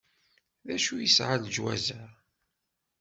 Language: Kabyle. D acu yesɛa leǧwaz-a?